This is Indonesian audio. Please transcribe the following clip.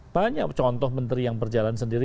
banyak contoh menteri yang berjalan sendiri